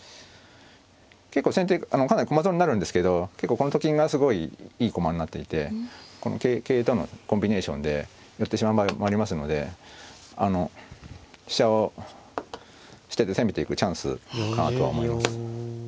結構先手かなり駒損になるんですけど結構このと金がすごいいい駒になっていてこの桂とのコンビネーションで寄ってしまう場合もありますので飛車を捨てて攻めていくチャンスかなとは思います。